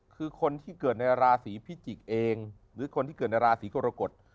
คือคนที่เกิดในราศีพิจิกษ์เองหรือคนที่เกิดในราศีกรกฎ